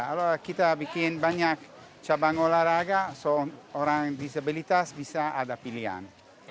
kalau kita bikin banyak cabang olahraga orang yang disabilitas bisa ada pilihan